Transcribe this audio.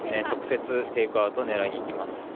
直接テイクアウトを狙いにいきます。